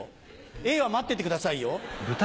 「え！」は待っててくださいよ。